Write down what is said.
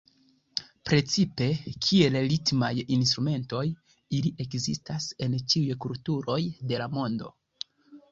Precipe kiel ritmaj instrumentoj ili ekzistas en ĉiuj kulturoj de la mondo.